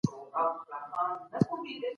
هیڅوک حق نه لري چي مال غصب کړي.